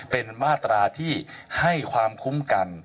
เป็นมาตราที่ให้ความคุ้มกัน